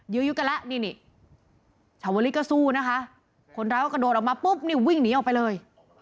ยื้อก็ละนี่ชวนลิศต่อสู้นะคะคนร้ายก็กระโดดออกมาปุ๊บนี่วิ่งหนีออกไปเลย